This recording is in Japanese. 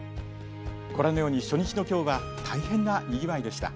ご覧のように初日の今日は大変なにぎわいでした。